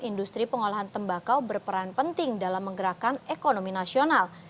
industri pengolahan tembakau berperan penting dalam menggerakkan ekonomi nasional